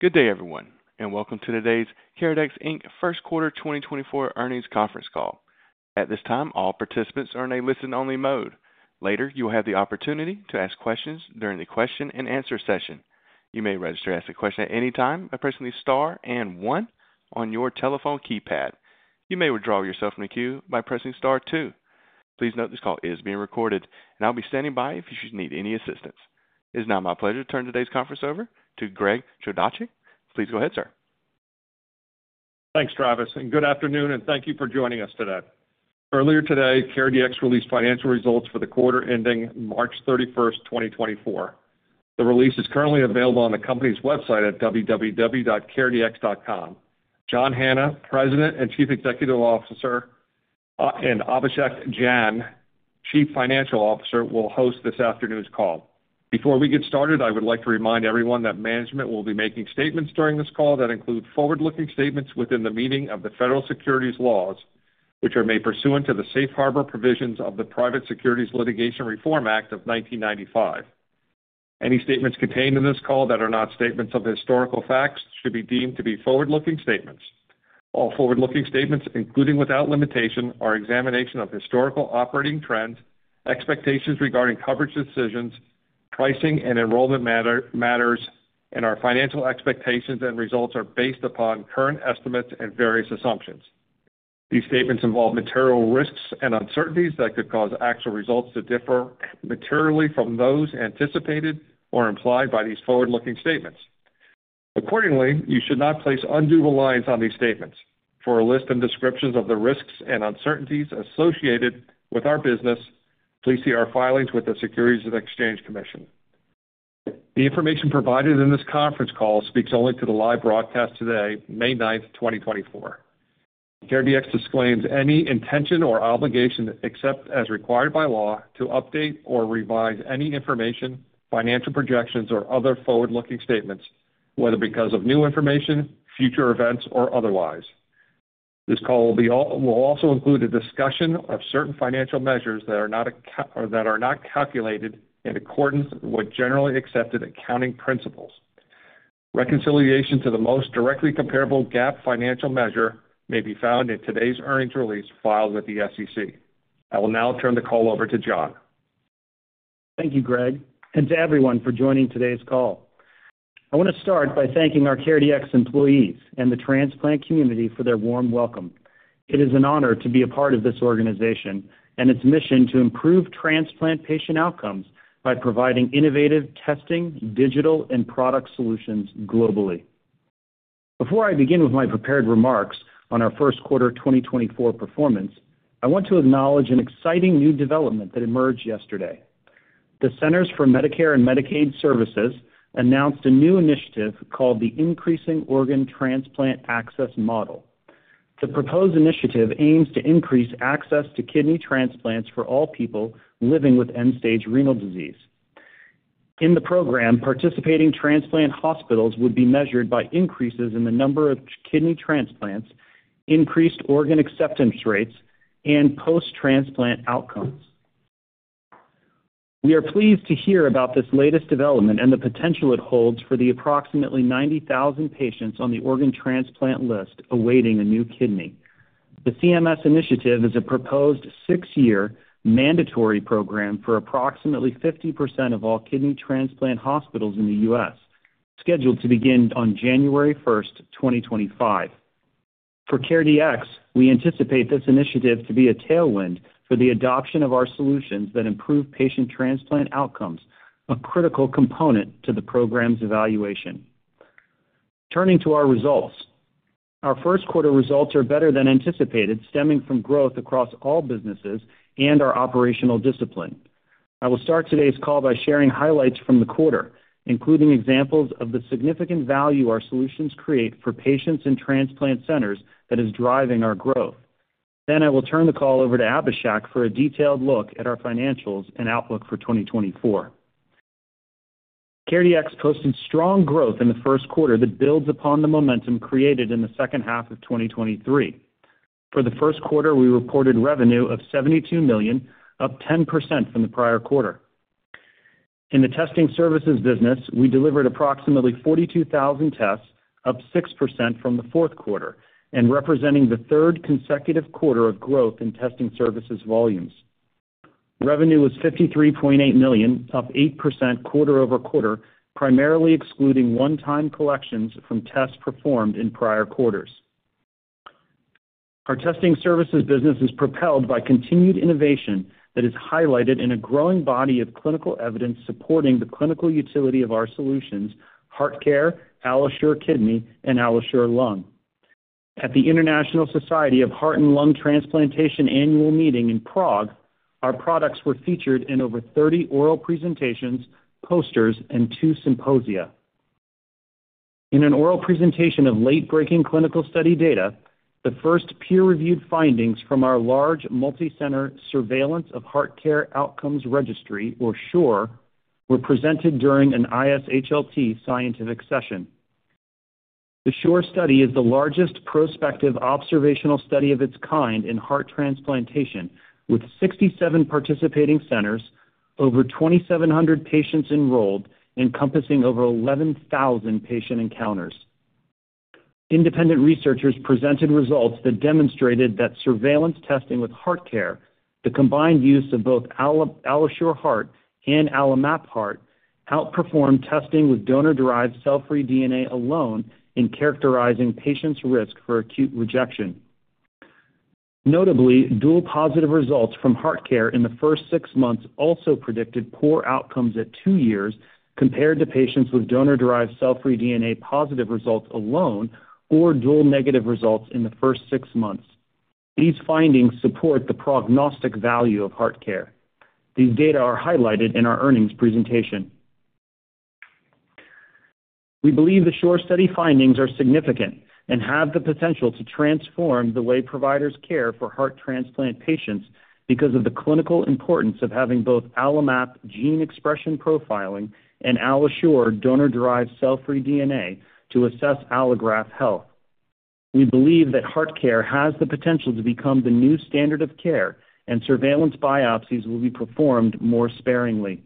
Good day, everyone, and welcome to today's CareDx, Inc. First Quarter 2024 Earnings Conference Call. At this time, all participants are in a listen-only mode. Later, you will have the opportunity to ask questions during the question-and-answer session. You may register to ask a question at any time by pressing the star and one on your telephone keypad. You may withdraw yourself from the queue by pressing star two. Please note this call is being recorded, and I'll be standing by if you should need any assistance. It is now my pleasure to turn today's conference over to Greg Chodaczek. Please go ahead, sir. Thanks, Travis, and good afternoon, and thank you for joining us today. Earlier today, CareDx released financial results for the quarter ending March 31st, 2024. The release is currently available on the company's website at www.careDx.com. John Hanna, President and Chief Executive Officer, and Abhishek Jain, Chief Financial Officer, will host this afternoon's call. Before we get started, I would like to remind everyone that management will be making statements during this call that include forward-looking statements within the meaning of the federal securities laws, which are made pursuant to the Safe Harbor provisions of the Private Securities Litigation Reform Act of 1995. Any statements contained in this call that are not statements of historical facts should be deemed to be forward-looking statements. All forward-looking statements, including without limitation, are an examination of historical operating trends, expectations regarding coverage decisions, pricing and enrollment matters, and our financial expectations and results are based upon current estimates and various assumptions. These statements involve material risks and uncertainties that could cause actual results to differ materially from those anticipated or implied by these forward-looking statements. Accordingly, you should not place undue reliance on these statements. For a list and descriptions of the risks and uncertainties associated with our business, please see our filings with the Securities and Exchange Commission. The information provided in this conference call speaks only to the live broadcast today, May 9th, 2024. CareDx disclaims any intention or obligation except as required by law to update or revise any information, financial projections, or other forward-looking statements, whether because of new information, future events, or otherwise. This call will also include a discussion of certain financial measures that are not calculated in accordance with Generally Accepted Accounting Principles. Reconciliation to the most directly comparable GAAP financial measure may be found in today's earnings release filed with the SEC. I will now turn the call over to John. Thank you, Greg, and to everyone for joining today's call. I want to start by thanking our CareDx employees and the transplant community for their warm welcome. It is an honor to be a part of this organization and its mission to improve transplant patient outcomes by providing innovative testing, digital, and product solutions globally. Before I begin with my prepared remarks on our first quarter 2024 performance, I want to acknowledge an exciting new development that emerged yesterday. The Centers for Medicare and Medicaid Services announced a new initiative called the Increasing Organ Transplant Access Model. The proposed initiative aims to increase access to kidney transplants for all people living with end-stage renal disease. In the program, participating transplant hospitals would be measured by increases in the number of kidney transplants, increased organ acceptance rates, and post-transplant outcomes. We are pleased to hear about this latest development and the potential it holds for the approximately 90,000 patients on the organ transplant list awaiting a new kidney. The CMS initiative is a proposed six-year mandatory program for approximately 50% of all kidney transplant hospitals in the U.S., scheduled to begin on January 1st, 2025. For CareDx, we anticipate this initiative to be a tailwind for the adoption of our solutions that improve patient transplant outcomes, a critical component to the program's evaluation. Turning to our results, our first quarter results are better than anticipated, stemming from growth across all businesses and our operational discipline. I will start today's call by sharing highlights from the quarter, including examples of the significant value our solutions create for patients in transplant centers that is driving our growth. Then I will turn the call over to Abhishek for a detailed look at our financials and outlook for 2024. CareDx posted strong growth in the first quarter that builds upon the momentum created in the second half of 2023. For the first quarter, we reported revenue of $72 million, up 10% from the prior quarter. In the testing services business, we delivered approximately 42,000 tests, up 6% from the fourth quarter, and representing the third consecutive quarter of growth in testing services volumes. Revenue was $53.8 million, up 8% quarter-over-quarter, primarily excluding one-time collections from tests performed in prior quarters. Our testing services business is propelled by continued innovation that is highlighted in a growing body of clinical evidence supporting the clinical utility of our solutions, HeartCare, AlloSure Kidney, and AlloSure Lung. At the International Society of Heart and Lung Transplantation annual meeting in Prague, our products were featured in over 30 oral presentations, posters, and two symposia. In an oral presentation of late-breaking clinical study data, the first peer-reviewed findings from our large multi-center surveillance of HeartCare outcomes registry, or SHORE, were presented during an ISHLT scientific session. The SHORE study is the largest prospective observational study of its kind in heart transplantation, with 67 participating centers, over 2,700 patients enrolled, encompassing over 11,000 patient encounters. Independent researchers presented results that demonstrated that surveillance testing with HeartCare, the combined use of both AlloSure Heart and AlloMap Heart, outperformed testing with donor-derived cell-free DNA alone in characterizing patients' risk for acute rejection. Notably, dual-positive results from HeartCare in the first six months also predicted poor outcomes at two years compared to patients with donor-derived cell-free DNA positive results alone or dual-negative results in the first six months. These findings support the prognostic value of HeartCare. These data are highlighted in our earnings presentation. We believe the SHORE study findings are significant and have the potential to transform the way providers care for heart transplant patients because of the clinical importance of having both AlloMap gene expression profiling and AlloSure donor-derived cell-free DNA to assess allograft health. We believe that HeartCare has the potential to become the new standard of care, and surveillance biopsies will be performed more sparingly.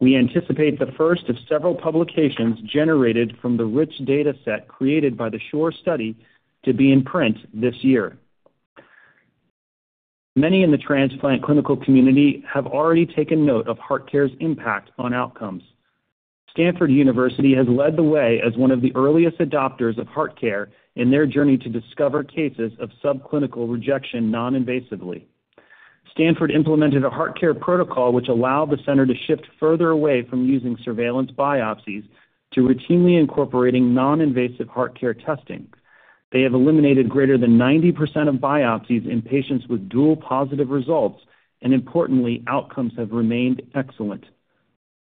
We anticipate the first of several publications generated from the rich dataset created by the SHORE study to be in print this year. Many in the transplant clinical community have already taken note of HeartCare's impact on outcomes. Stanford University has led the way as one of the earliest adopters of HeartCare in their journey to discover cases of subclinical rejection non-invasively. Stanford implemented a HeartCare protocol which allowed the center to shift further away from using surveillance biopsies to routinely incorporating non-invasive heart care testing. They have eliminated greater than 90% of biopsies in patients with dual-positive results, and importantly, outcomes have remained excellent.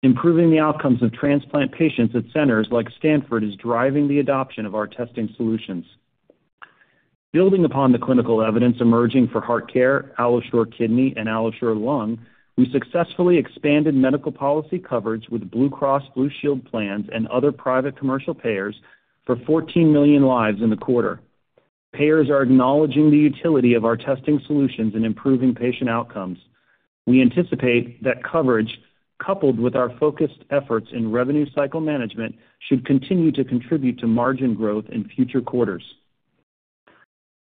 Improving the outcomes of transplant patients at centers like Stanford is driving the adoption of our testing solutions. Building upon the clinical evidence emerging for HeartCare, AlloSure Kidney, and AlloSure Lung, we successfully expanded medical policy coverage with Blue Cross Blue Shield plans and other private commercial payers for 14 million lives in the quarter. Payers are acknowledging the utility of our testing solutions in improving patient outcomes. We anticipate that coverage, coupled with our focused efforts in revenue cycle management, should continue to contribute to margin growth in future quarters.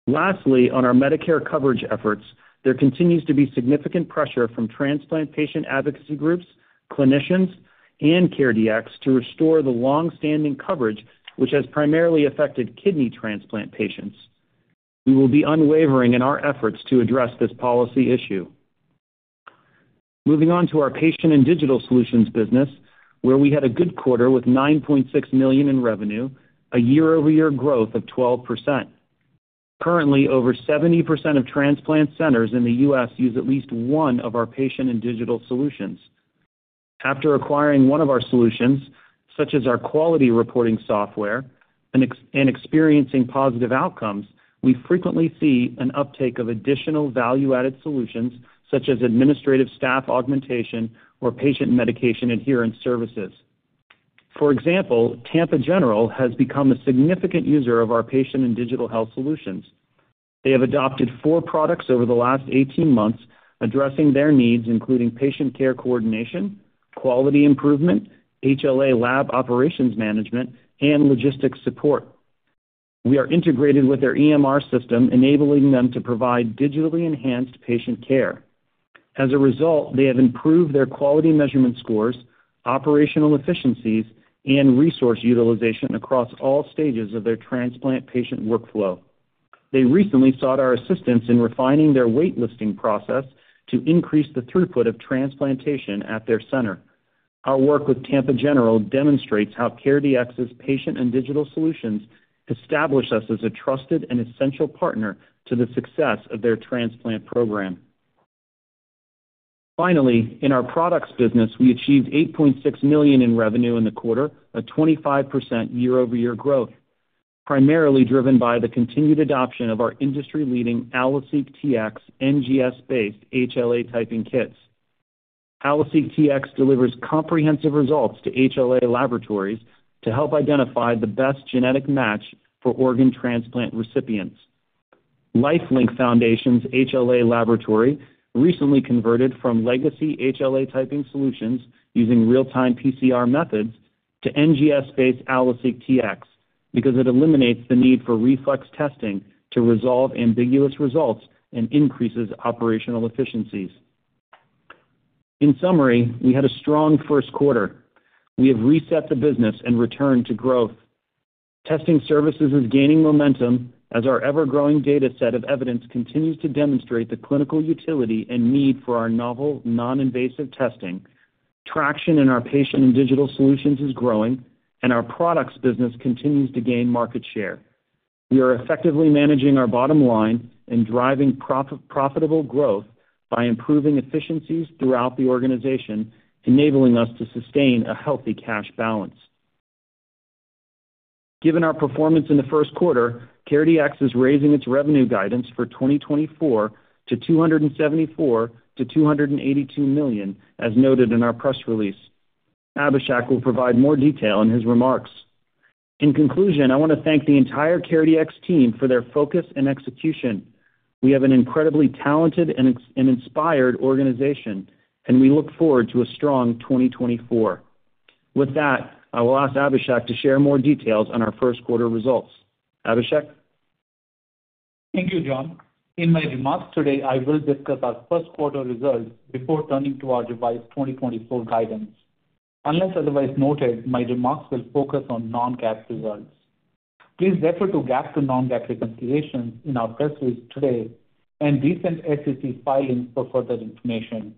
Lastly, on our Medicare coverage efforts, there continues to be significant pressure from transplant patient advocacy groups, clinicians, and CareDx to restore the longstanding coverage, which has primarily affected kidney transplant patients. We will be unwavering in our efforts to address this policy issue. Moving on to our patient and digital solutions business, where we had a good quarter with $9.6 million in revenue, a year-over-year growth of 12%. Currently, over 70% of transplant centers in the U.S. use at least one of our patient and digital solutions. After acquiring one of our solutions, such as our quality reporting software, and experiencing positive outcomes, we frequently see an uptake of additional value-added solutions such as administrative staff augmentation or patient medication adherence services. For example, Tampa General has become a significant user of our patient and digital health solutions. They have adopted four products over the last 18 months, addressing their needs, including patient care coordination, quality improvement, HLA lab operations management, and logistics support. We are integrated with their EMR system, enabling them to provide digitally enhanced patient care. As a result, they have improved their quality measurement scores, operational efficiencies, and resource utilization across all stages of their transplant patient workflow. They recently sought our assistance in refining their wait-listing process to increase the throughput of transplantation at their center. Our work with Tampa General demonstrates how CareDx's patient and digital solutions establish us as a trusted and essential partner to the success of their transplant program. Finally, in our products business, we achieved $8.6 million in revenue in the quarter, a 25% year-over-year growth, primarily driven by the continued adoption of our industry-leading AlloSeq Tx NGS-based HLA typing kits. AlloSeq Tx delivers comprehensive results to HLA laboratories to help identify the best genetic match for organ transplant recipients. LifeLink Foundation's HLA laboratory recently converted from legacy HLA typing solutions using real-time PCR methods to NGS-based AlloSeq Tx because it eliminates the need for reflex testing to resolve ambiguous results and increases operational efficiencies. In summary, we had a strong first quarter. We have reset the business and returned to growth. Testing services is gaining momentum as our ever-growing dataset of evidence continues to demonstrate the clinical utility and need for our novel non-invasive testing. Traction in our patient and digital solutions is growing, and our products business continues to gain market share. We are effectively managing our bottom line and driving profitable growth by improving efficiencies throughout the organization, enabling us to sustain a healthy cash balance. Given our performance in the first quarter, CareDx is raising its revenue guidance for 2024 to $274 million-$282 million, as noted in our press release. Abhishek will provide more detail in his remarks. In conclusion, I want to thank the entire CareDx team for their focus and execution. We have an incredibly talented and inspired organization, and we look forward to a strong 2024. With that, I will ask Abhishek to share more details on our first quarter results. Abhishek? Thank you, John. In my remarks today, I will discuss our first quarter results before turning to our 2024 guidance. Unless otherwise noted, my remarks will focus on non-GAAP results. Please refer to GAAP to non-GAAP reconciliations in our press release today and recent SEC filings for further information.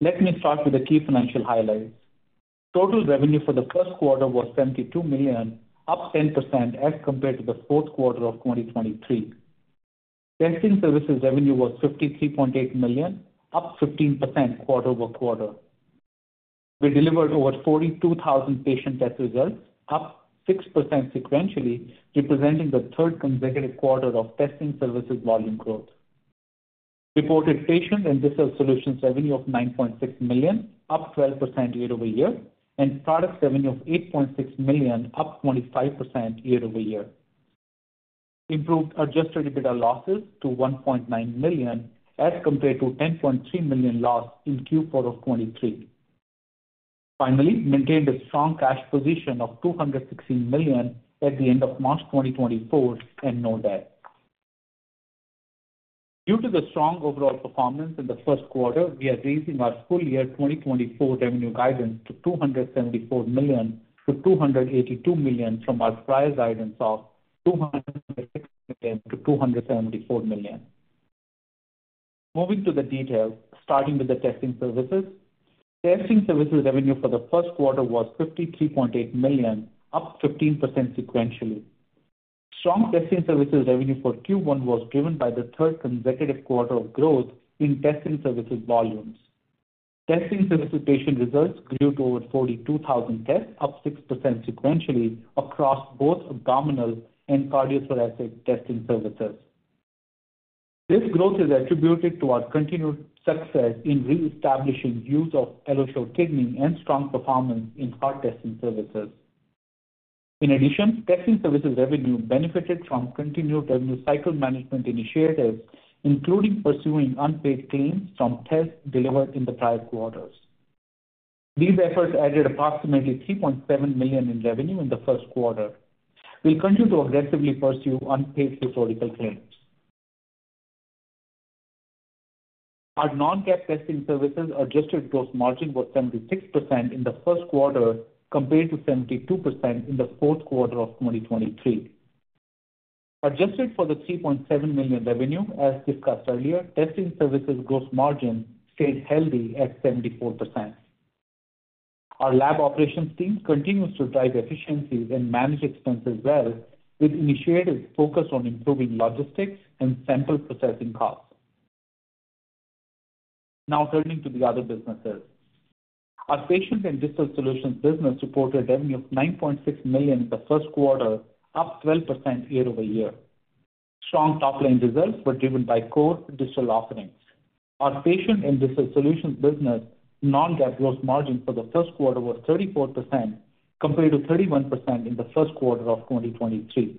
Let me start with the key financial highlights. Total revenue for the first quarter was $72 million, up 10% as compared to the fourth quarter of 2023. Testing services revenue was $53.8 million, up 15% quarter-over-quarter. We delivered over 42,000 patient test results, up 6% sequentially, representing the third consecutive quarter of testing services volume growth. Reported patient and digital solutions revenue of $9.6 million, up 12% year-over-year, and products revenue of $8.6 million, up 25% year-over-year. Improved Adjusted EBITDA loss to $1.9 million as compared to $10.3 million loss in Q4 of 2023. Finally, maintained a strong cash position of $216 million at the end of March 2024 and no debt. Due to the strong overall performance in the first quarter, we are raising our full-year 2024 revenue guidance to $274 million-$282 million from our prior guidance of $260 million-$274 million. Moving to the details, starting with the testing services. Testing services revenue for the first quarter was $53.8 million, up 15% sequentially. Strong testing services revenue for Q1 was driven by the third consecutive quarter of growth in testing services volumes. Testing services patient results grew to over 42,000 tests, up 6% sequentially across both abdominal and cardiothoracic testing services. This growth is attributed to our continued success in reestablishing use of AlloSure Kidney and strong performance in heart testing services. In addition, testing services revenue benefited from continued revenue cycle management initiatives, including pursuing unpaid claims from tests delivered in the prior quarters. These efforts added approximately $3.7 million in revenue in the first quarter. We'll continue to aggressively pursue unpaid historical claims. Our non-GAAP testing services adjusted gross margin was 76% in the first quarter compared to 72% in the fourth quarter of 2023. Adjusted for the $3.7 million revenue, as discussed earlier, testing services gross margin stayed healthy at 74%. Our lab operations team continues to drive efficiencies and manage expenses well with initiatives focused on improving logistics and sample processing costs. Now turning to the other businesses. Our patient and digital solutions business reported revenue of $9.6 million in the first quarter, up 12% year-over-year. Strong top-line results were driven by core digital offerings. Our patient and digital solutions business non-GAAP gross margin for the first quarter was 34% compared to 31% in the first quarter of 2023.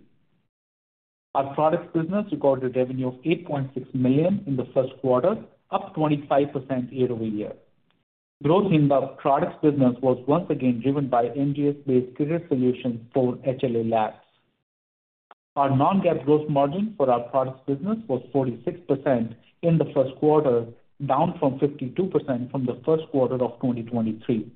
Our products business recorded revenue of $8.6 million in the first quarter, up 25% year-over-year. Growth in the products business was once again driven by NGS-based critical solutions for HLA labs. Our non-GAAP gross margin for our products business was 46% in the first quarter, down from 52% from the first quarter of 2023.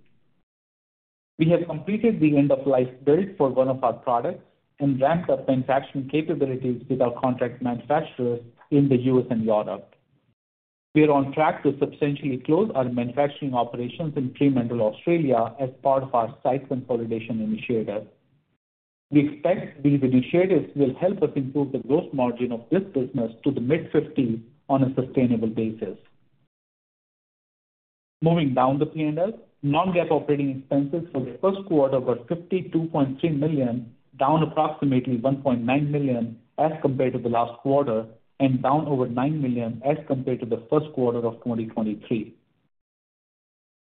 We have completed the end-of-life build for one of our products and ramped up manufacturing capabilities with our contract manufacturers in the U.S. and Europe. We are on track to substantially close our manufacturing operations in Fremantle, Australia, as part of our site consolidation initiative. We expect these initiatives will help us improve the gross margin of this business to the mid-50s on a sustainable basis. Moving down the P&L, non-GAAP operating expenses for the first quarter were $52.3 million, down approximately $1.9 million as compared to the last quarter, and down over $9 million as compared to the first quarter of 2023.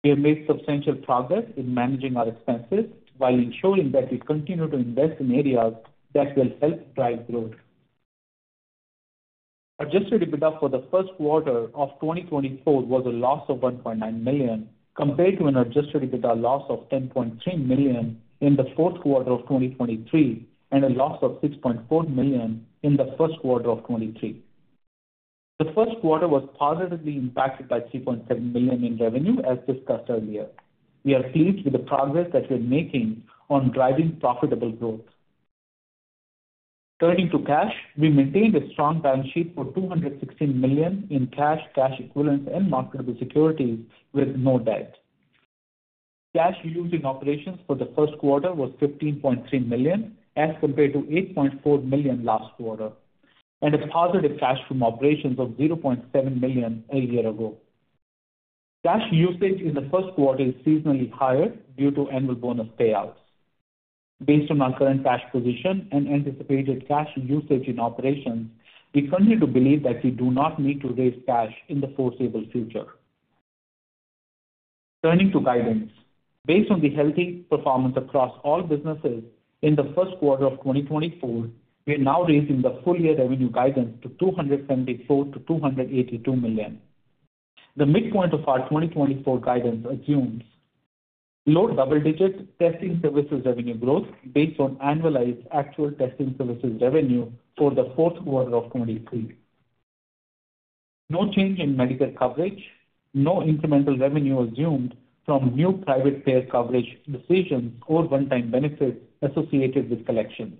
We have made substantial progress in managing our expenses while ensuring that we continue to invest in areas that will help drive growth. Adjusted EBITDA for the first quarter of 2024 was a loss of $1.9 million compared to an adjusted EBITDA loss of $10.3 million in the fourth quarter of 2023 and a loss of $6.4 million in the first quarter of 2023. The first quarter was positively impacted by $3.7 million in revenue, as discussed earlier. We are pleased with the progress that we're making on driving profitable growth. Turning to cash, we maintained a strong balance sheet for $216 million in cash, cash equivalents, and marketable securities with no debt. Cash used in operations for the first quarter was $15.3 million as compared to $8.4 million last quarter and a positive cash from operations of $0.7 million a year ago. Cash usage in the first quarter is seasonally higher due to annual bonus payouts. Based on our current cash position and anticipated cash usage in operations, we continue to believe that we do not need to raise cash in the foreseeable future. Turning to guidance, based on the healthy performance across all businesses in the first quarter of 2024, we are now raising the full-year revenue guidance to $274 million-$282 million. The midpoint of our 2024 guidance assumes low double-digit testing services revenue growth based on annualized actual testing services revenue for the fourth quarter of 2023. No change in medical coverage, no incremental revenue assumed from new private payer coverage decisions or one-time benefits associated with collections,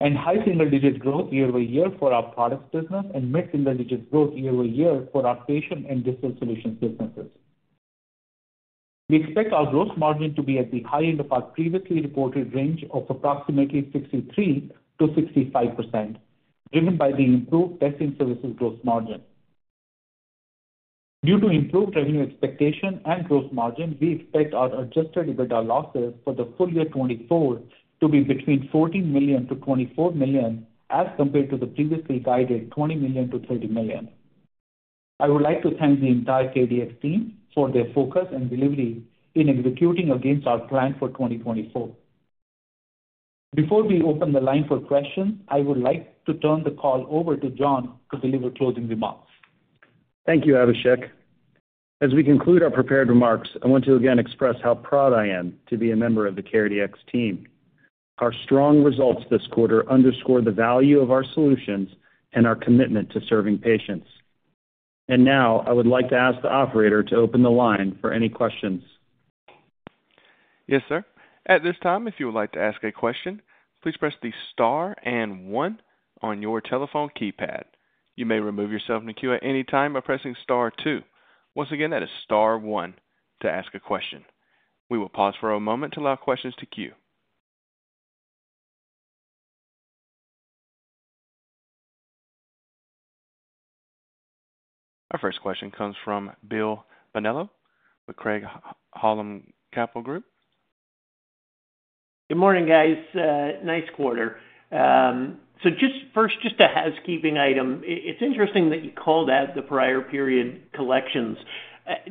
and high single-digit growth year-over-year for our products business and mid-single-digit growth year-over-year for our patient and digital solutions businesses. We expect our gross margin to be at the high end of our previously reported range of approximately 63%-65%, driven by the improved testing services gross margin. Due to improved revenue expectation and gross margin, we expect our Adjusted EBITDA losses for the full year 2024 to be between $14 million-$24 million as compared to the previously guided $20 million-$30 million. I would like to thank the entire CareDx team for their focus and delivery in executing against our plan for 2024. Before we open the line for questions, I would like to turn the call over to John to deliver closing remarks. Thank you, Abhishek. As we conclude our prepared remarks, I want to again express how proud I am to be a member of the CareDx team. Our strong results this quarter underscore the value of our solutions and our commitment to serving patients. And now I would like to ask the operator to open the line for any questions. Yes, sir. At this time, if you would like to ask a question, please press the star and one on your telephone keypad. You may remove yourself from the queue at any time by pressing star two. Once again, that is star one to ask a question. We will pause for a moment to allow questions to queue. Our first question comes from Bill Bonello with Craig-Hallum Capital Group. Good morning, guys. Nice quarter. So just first, just a housekeeping item. It's interesting that you called out the prior period collections.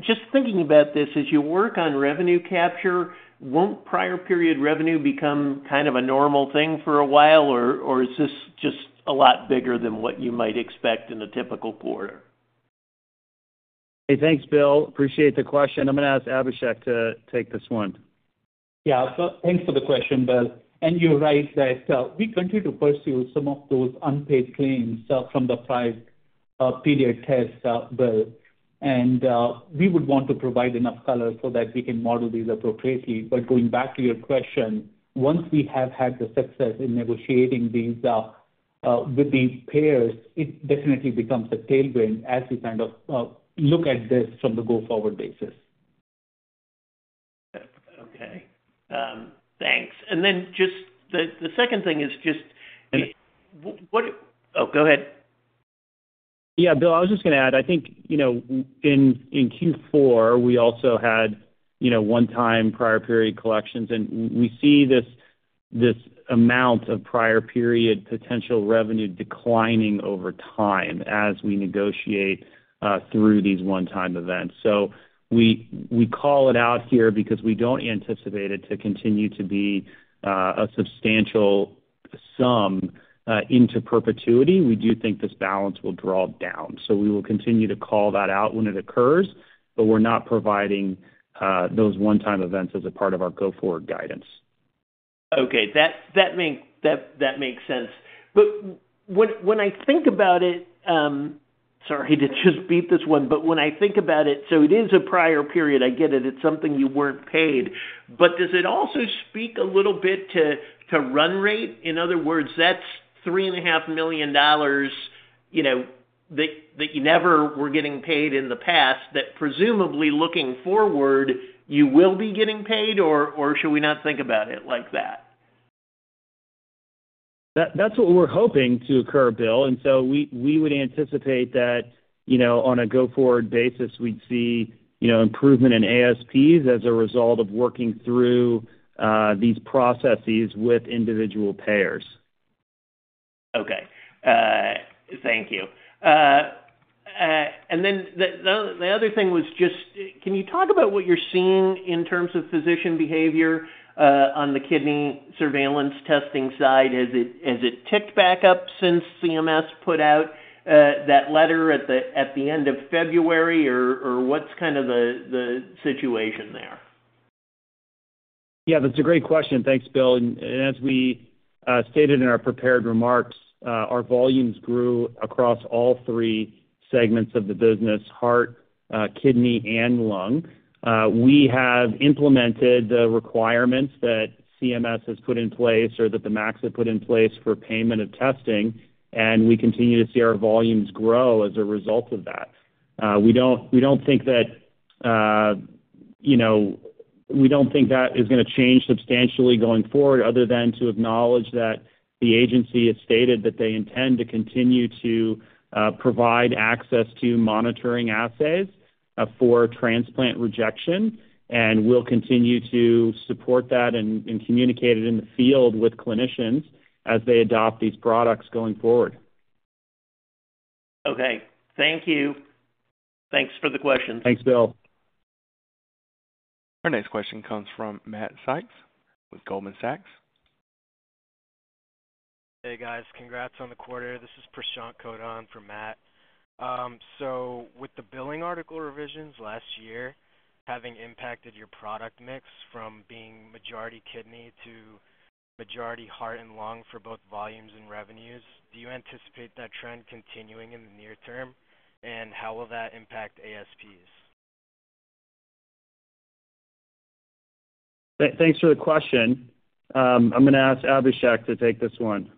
Just thinking about this, as you work on revenue capture, won't prior period revenue become kind of a normal thing for a while, or is this just a lot bigger than what you might expect in a typical quarter? Hey, thanks, Bill. Appreciate the question. I'm going to ask Abhishek to take this one. Yeah, thanks for the question, Bill. You're right that we continue to pursue some of those unpaid claims from the prior period test, Bill. We would want to provide enough color so that we can model these appropriately. But going back to your question, once we have had the success in negotiating these with the payers, it definitely becomes a tailwind as we kind of look at this from the go-forward basis. Okay. Thanks. And then just the second thing is just what? Oh, go ahead. Yeah, Bill, I was just going to add. I think in Q4, we also had one-time prior period collections. We see this amount of prior period potential revenue declining over time as we negotiate through these one-time events. We call it out here because we don't anticipate it to continue to be a substantial sum into perpetuity. We do think this balance will draw down. We will continue to call that out when it occurs, but we're not providing those one-time events as a part of our go-forward guidance. Okay. That makes sense. But when I think about it, sorry, I did just beat this one. But when I think about it, so it is a prior period. I get it. It's something you weren't paid. But does it also speak a little bit to run rate? In other words, that's $3.5 million that you never were getting paid in the past that presumably, looking forward, you will be getting paid, or should we not think about it like that? That's what we're hoping to occur, Bill. And so we would anticipate that on a go-forward basis, we'd see improvement in ASPs as a result of working through these processes with individual payers. Okay. Thank you. And then the other thing was just can you talk about what you're seeing in terms of physician behavior on the kidney surveillance testing side? Has it ticked back up since CMS put out that letter at the end of February, or what's kind of the situation there? Yeah, that's a great question. Thanks, Bill. As we stated in our prepared remarks, our volumes grew across all three segments of the business: heart, kidney, and lung. We have implemented the requirements that CMS has put in place or that the MACs have put in place for payment of testing, and we continue to see our volumes grow as a result of that. We don't think that is going to change substantially going forward other than to acknowledge that the agency has stated that they intend to continue to provide access to monitoring assays for transplant rejection, and we'll continue to support that and communicate it in the field with clinicians as they adopt these products going forward. Okay. Thank you. Thanks for the questions. Thanks, Bill. Our next question comes from Matt Sykes with Goldman Sachs. Hey, guys. Congrats on the quarter. This is Prashant Kota for Matt. So with the billing article revisions last year having impacted your product mix from being majority kidney to majority heart and lung for both volumes and revenues, do you anticipate that trend continuing in the near term, and how will that impact ASPs? Thanks for the question. I'm going to ask Abhishek to take this one.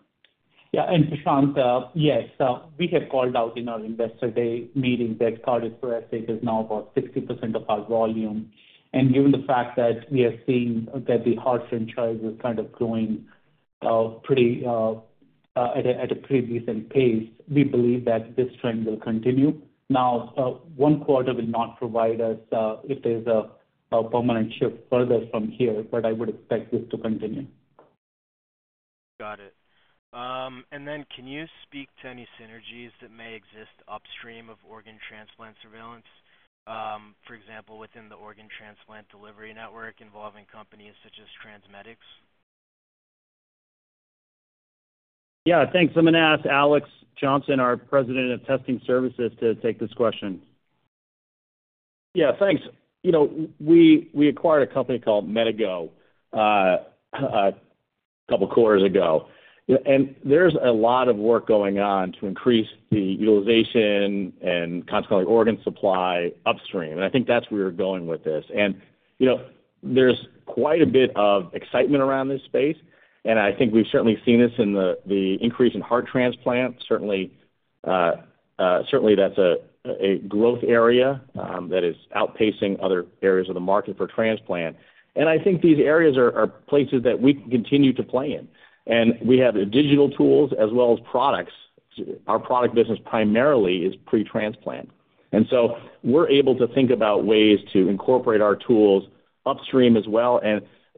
Yeah. And Prashant, yes. We have called out in our investor day meeting that the CareDx product suite is now about 60% of our volume. And given the fact that we are seeing that the heart franchise is kind of growing at a pretty decent pace, we believe that this trend will continue. Now, one quarter will not provide us if there's a permanent shift further from here, but I would expect this to continue. Got it. And then can you speak to any synergies that may exist upstream of organ transplant surveillance, for example, within the organ transplant delivery network involving companies such as TransMedics? Yeah, thanks. I'm going to ask Alex Johnson, our President of Testing Services, to take this question. Yeah, thanks. We acquired a company called MediGO a couple of quarters ago. There's a lot of work going on to increase the utilization and consequently organ supply upstream. I think that's where we're going with this. There's quite a bit of excitement around this space, and I think we've certainly seen this in the increase in heart transplant. Certainly, that's a growth area that is outpacing other areas of the market for transplant. I think these areas are places that we can continue to play in. We have digital tools as well as products. Our product business primarily is pre-transplant. We're able to think about ways to incorporate our tools upstream as well.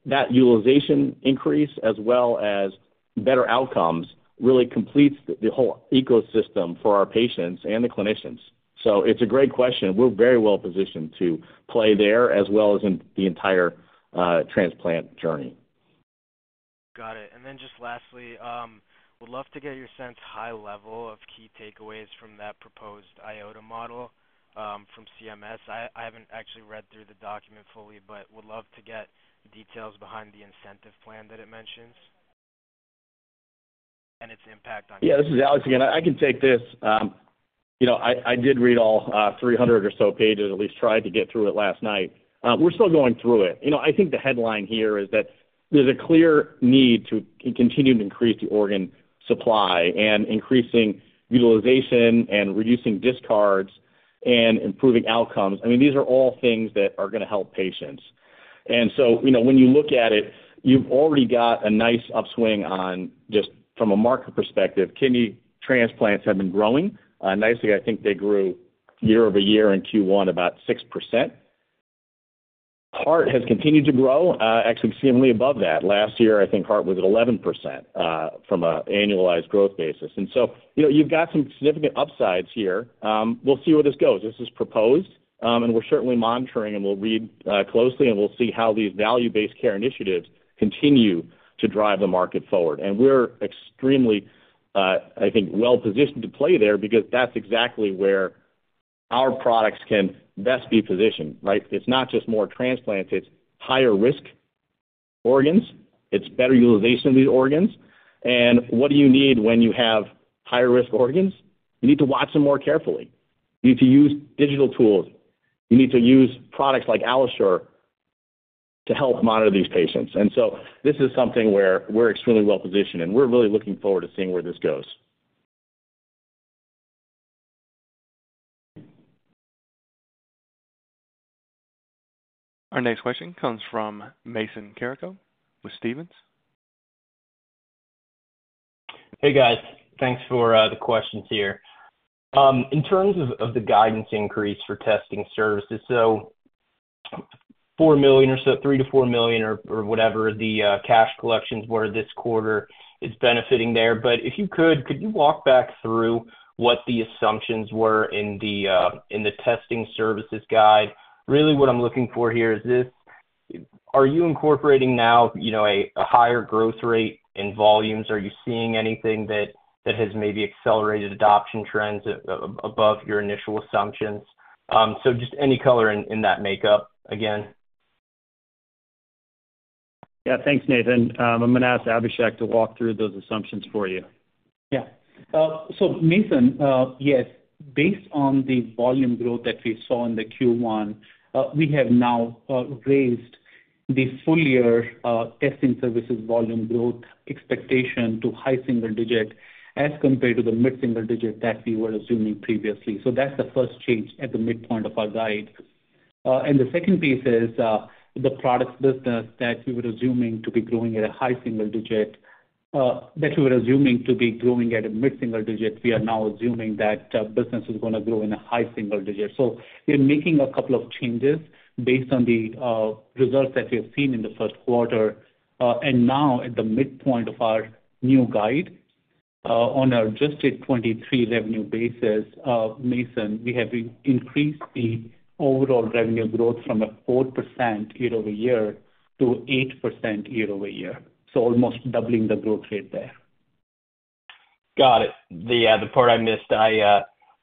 That utilization increase as well as better outcomes really completes the whole ecosystem for our patients and the clinicians. It's a great question. We're very well positioned to play there as well as in the entire transplant journey. Got it. And then just lastly, would love to get your sense high-level of key takeaways from that proposed IOTA Model from CMS. I haven't actually read through the document fully, but would love to get details behind the incentive plan that it mentions and its impact on. Yeah, this is Alex again. I can take this. I did read all 300 or so pages, at least tried to get through it last night. We're still going through it. I think the headline here is that there's a clear need to continue to increase the organ supply and increasing utilization and reducing discards and improving outcomes. I mean, these are all things that are going to help patients. And so when you look at it, you've already got a nice upswing on just from a market perspective. Kidney transplants have been growing nicely. I think they grew year-over-year in Q1 about 6%. Heart has continued to grow, actually seemingly above that. Last year, I think heart was at 11% from an annualized growth basis. And so you've got some significant upsides here. We'll see where this goes. This is proposed, and we're certainly monitoring, and we'll read closely, and we'll see how these value-based care initiatives continue to drive the market forward. And we're extremely, I think, well positioned to play there because that's exactly where our products can best be positioned, right? It's not just more transplants. It's higher-risk organs. It's better utilization of these organs. And what do you need when you have higher-risk organs? You need to watch them more carefully. You need to use digital tools. You need to use products like AlloSure to help monitor these patients. And so this is something where we're extremely well positioned, and we're really looking forward to seeing where this goes. Our next question comes from Mason Carico with Stephens. Hey, guys. Thanks for the questions here. In terms of the guidance increase for testing services, so $3 million-$4 million or whatever the cash collections were this quarter is benefiting there. But if you could, could you walk back through what the assumptions were in the testing services guide? Really, what I'm looking for here is this: are you incorporating now a higher growth rate in volumes? Are you seeing anything that has maybe accelerated adoption trends above your initial assumptions? So just any color in that makeup again. Yeah, thanks, Nathan. I'm going to ask Abhishek to walk through those assumptions for you. Yeah. So Mason, yes, based on the volume growth that we saw in the Q1, we have now raised the full year testing services volume growth expectation to high single digit as compared to the mid-single digit that we were assuming previously. So that's the first change at the midpoint of our guide. And the second piece is the product business that we were assuming to be growing at a high single digit that we were assuming to be growing at a mid-single digit, we are now assuming that business is going to grow in a high single digit. So we're making a couple of changes based on the results that we have seen in the first quarter. Now, at the midpoint of our new guide, on an adjusted 2023-revenue basis, Mason, we have increased the overall revenue growth from 4%-8% year-over-year, so almost doubling the growth rate there. Got it. The part I missed,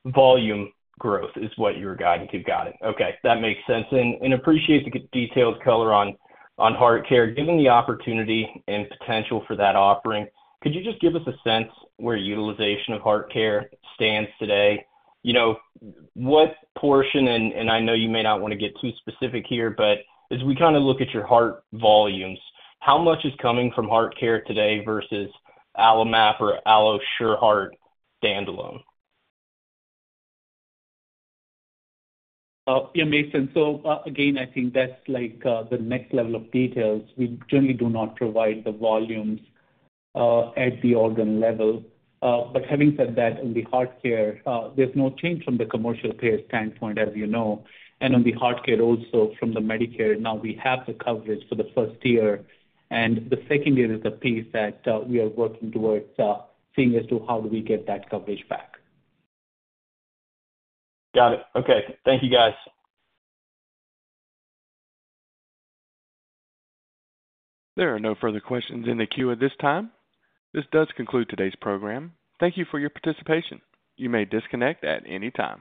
volume growth, is what you were guiding to. Got it. Okay. That makes sense. And appreciate the detailed color on HeartCare. Given the opportunity and potential for that offering, could you just give us a sense where utilization of HeartCare stands today? What portion and I know you may not want to get too specific here, but as we kind of look at your heart volumes, how much is coming from HeartCare today versus AlloMap or AlloSure Heart standalone? Yeah, Mason. So again, I think that's the next level of details. We generally do not provide the volumes at the organ level. But having said that, on the HeartCare, there's no change from the commercial payer standpoint, as you know. And on the HeartCare also, from the Medicare, now we have the coverage for the first year. And the second year is the piece that we are working towards seeing as to how do we get that coverage back. Got it. Okay. Thank you, guys. There are no further questions in the queue at this time. This does conclude today's program. Thank you for your participation. You may disconnect at any time.